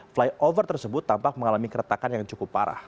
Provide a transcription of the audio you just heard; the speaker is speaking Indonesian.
flyover tersebut tampak mengalami keretakan yang cukup parah